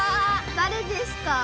だれですか？